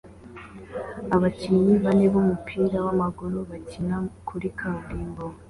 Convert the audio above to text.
abakinnyi bane b'umupira w'amaguru bakina kuri kaburimbo